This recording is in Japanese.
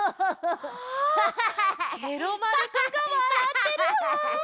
あケロ丸くんがわらってるわ。